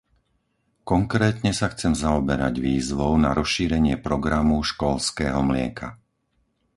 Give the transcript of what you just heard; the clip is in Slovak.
Konkrétne sa chcem zaoberať výzvou na rozšírenie programu školského mlieka.